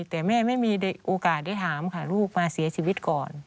แต่แม่ไม่มีโอกาสได้ถามค่ะลูกมาเสียชีวิตก่อน